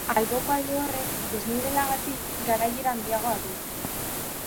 Alboko alde horrek, desnibelagatik, garaiera handiagoa du.